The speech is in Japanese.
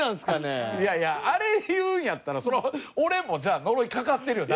いやいやあれ言うんやったらそりゃ俺もじゃあ呪いかかってるよ